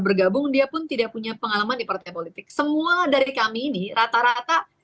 bergabung dia pun tidak punya pengalaman di partai politik semua dari kami ini rata rata